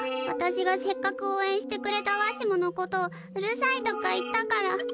わたしがせっかくおうえんしてくれたわしものことを「うるさい」とか言ったから。